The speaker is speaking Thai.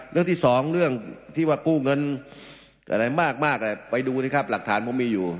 เรื่องที่สองเรื่องที่ว่ากู้เงินอะไรมากไปดูสิครับหลักฐานผมมีอยู่